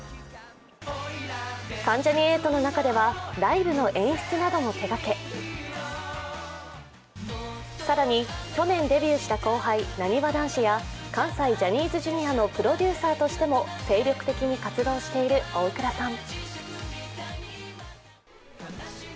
関ジャニ∞の中ではライブの演出なども手がけ、更に去年デビューした後輩なにわ男子や関西ジャニーズＪｒ．のプロデューサーとしても精力的に活動している大倉さん。